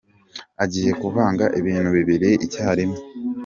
Agiye kuvanga ibintu bibiri icyarimwe